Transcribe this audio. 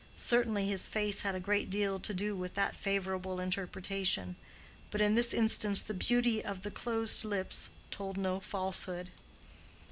Certainly his face had a great deal to do with that favorable interpretation; but in this instance the beauty of the closed lips told no falsehood.